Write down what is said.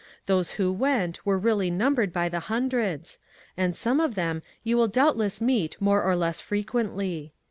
Those who went were really num bered by the hundreds, and some of them 3 011 will doubtless meet more or less fre quently.